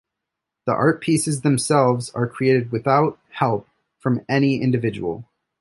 The art pieces themselves are created without help from any individual.